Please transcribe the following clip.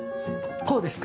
こうですか？